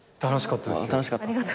楽しかったですよ。